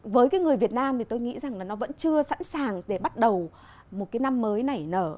với cái người việt nam thì tôi nghĩ rằng là nó vẫn chưa sẵn sàng để bắt đầu một cái năm mới nảy nở